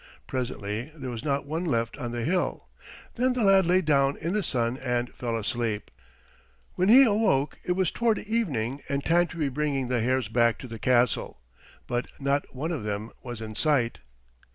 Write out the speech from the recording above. Presently there was not one left on the hill. Then the lad lay down in the sun and fell asleep. When he awoke it was toward evening and time to be bringing the hares back to the castle, but not one of them was in sight.